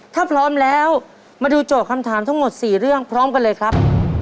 ถ้าพร้อมแล้วมาดูโจทย์คำถามทั้งหมด๔เรื่องพร้อมกันเลยครับ